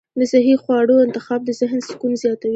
د صحي خواړو انتخاب د ذهن سکون زیاتوي.